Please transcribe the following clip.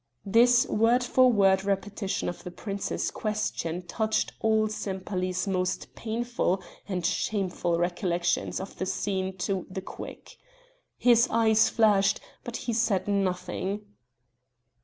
This word for word repetition of the prince's question touched all Sempaly's most painful and shameful recollections of the scene to the quick. His eyes flashed, but he said nothing.